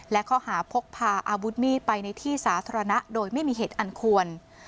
และข้อหาพกพาอาวุธมีดไปในที่สาธารณะโดยไม่มีเหตุอันควร